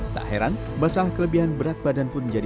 tak heran masalah kelebihan berat badan pun menjadi